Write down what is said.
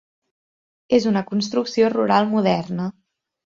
És una construcció rural moderna.